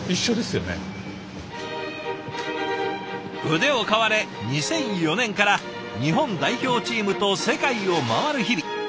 腕を買われ２００４年から日本代表チームと世界を回る日々。